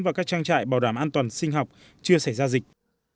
và các trang trại bảo đảm an toàn sinh học chưa xảy ra dịch